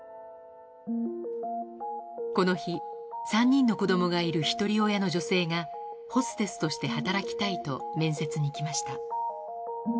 この日、３人の子どもがいる、ひとり親の女性が、ホステスとして働きたいと面接に来ました。